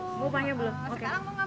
sekarang mau ngambil